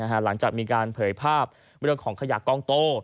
หลังจากมีการเผยภาพเรื่องของขยะกองโต้